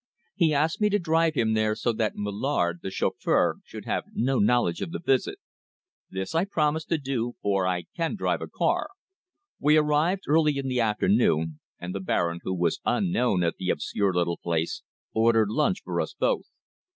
He asked me to drive him there so that Mullard, the chauffeur, should have no knowledge of the visit. This I promised to do, for I can drive a car. We arrived early in the afternoon, and the Baron, who was unknown at the obscure little place, ordered lunch for us both.